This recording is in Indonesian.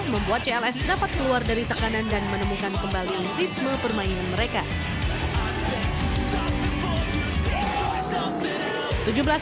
membuat cls dapat keluar dari tekanan dan menemukan kembali risma permainan mereka